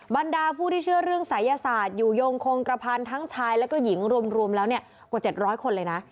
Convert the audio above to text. บรรดาผู้ที่เชื่อเรื่องศัยศาสตร์อยู่โยงคงกระพันทั้งชายแล้วก็หญิงรวมแล้วกว่า๗๐๐คนเลยนะ